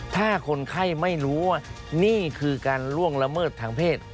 ถ้าคนไข้ไม่รู้ว่านี่คือการล่วงละเมิดทางเพศ